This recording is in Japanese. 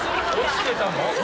落ちてたの？